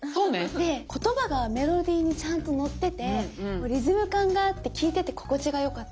で言葉がメロディーにちゃんとのっててリズム感があって聞いてて心地がよかったです。ね。